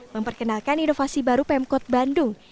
memperkenalkan inovasi baru pemkot bandung